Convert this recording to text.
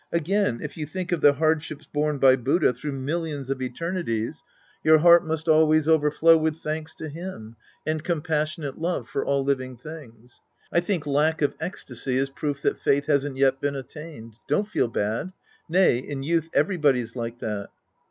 Again« if you think of the hardships borne by Buddha through Act II The Priest and His Disciples 67 millions of eternities, your heart must always overflow with thanks to him and compassionate love for all liviug things. I think lack of ecstasy is proof that faiih hasn't yet been attained. Don't feel bad. Nay, in youth everybody's like that.